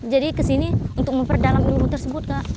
jadi kesini untuk memperdalam ilmu tersebut